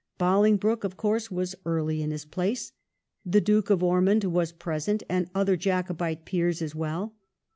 Bolingbroke, of course, was early in his place. The Duke of Or mond was present and other Jacobite Peers as well.